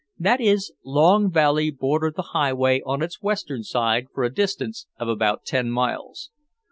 That is, Long Valley bordered the highway on its western side for a distance of about ten miles.